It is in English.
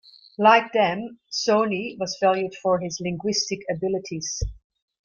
Like them, Soni was valued for his linguistic abilities.